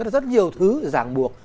rất nhiều thứ ràng buộc